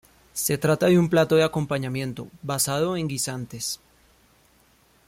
Se trata de un plato de acompañamiento, basado en guisantes.